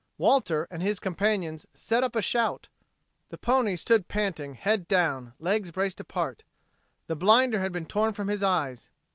Walter and his companions set up a shout. The pony stood panting, head down, legs braced apart. The blinder had been torn from his eyes.